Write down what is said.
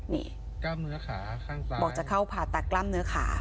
นี่บอกจะเข้าผ่าตัดกล้ำเนื้อขา